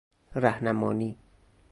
رهنمانی